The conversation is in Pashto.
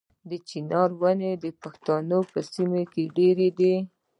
د چنار ونې د پښتنو په سیمو کې ډیرې دي.